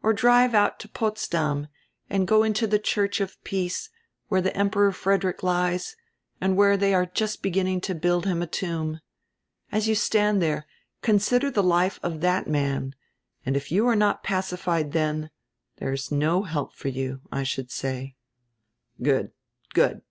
Or drive out to Potsdam and go into die Church of Peace, where Emperor Fred erick lies, and where diey are just beginning to build him a tomb. As you stand diere consider die life of diat man, and if you are not pacified dien, diere is no help for you, I should say." "Good, good!